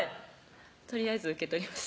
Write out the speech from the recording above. とりあえず受け取りました